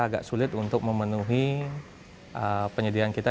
agak sulit untuk memenuhi penyediaan kita